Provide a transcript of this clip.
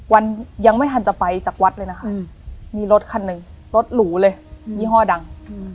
วันยังไม่ทันจะไปจากวัดเลยนะคะมีรถคันหนึ่งรถหรูเลยยี่ห้อดัง